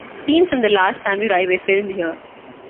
Scenes from "The Last Samurai" were filmed here.